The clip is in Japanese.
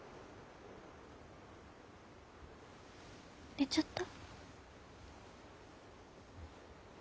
寝ちゃった？